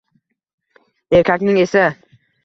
Erkakning esa